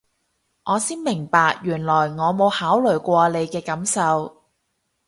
我先明白原來我冇考慮過你嘅感受